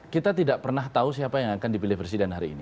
kita tidak pernah tahu siapa yang akan dipilih presiden hari ini